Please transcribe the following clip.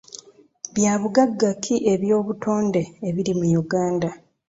Bya bugagga ki eby'obutonde ebiri mu Uganda?